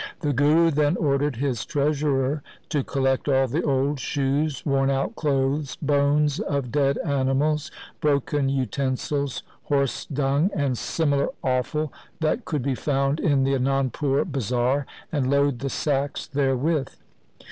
The Guru then ordered his treasurer to collect all the old shoes, worn out clothes, bones of dead animals, broken utensils, horse dung, and similar offal that could be found in the Anandpur bazar, and load the sacks there with.